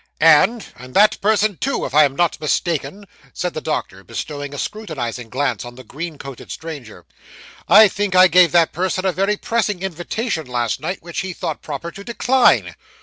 'And and that person, too, if I am not mistaken,' said the doctor, bestowing a scrutinising glance on the green coated stranger. 'I think I gave that person a very pressing invitation last night, which he thought proper to decline.